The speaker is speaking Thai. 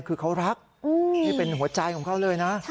คือเขารักนี่เป็นหัวใจของเขาเลยนะ